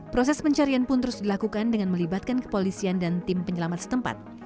proses pencarian pun terus dilakukan dengan melibatkan kepolisian dan tim penyelamat setempat